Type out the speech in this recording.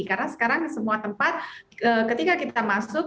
karena sekarang semua tempat ketika kita masuk